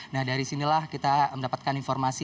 nah dari sinilah kita mendapatkan informasi